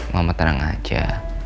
mama terang aja